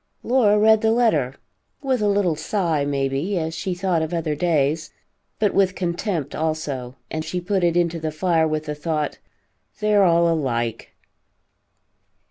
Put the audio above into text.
Laura read the letter, with a little sigh may be, as she thought of other days, but with contempt also, and she put it into the fire with the thought, "They are all alike."